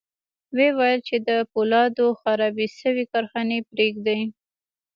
ويې ویل چې د پولادو خرابې شوې کارخانې پرېږدي